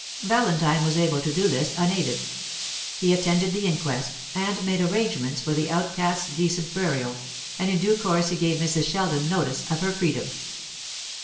Valentine was able to do this unaided. He attended the inquest, and made arrangements for the outcast's decent burial; and in due course he gave Mrs. Sheldon notice of her freedom.